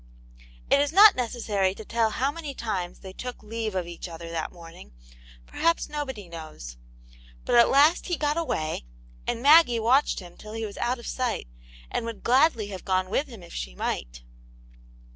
It is not necessary to tell how many times they took leave of each other that morning; perhaps nobody knows. But at last he got away, and Maggie watched him till he was out of sight, and would gladly have gone with him if she might.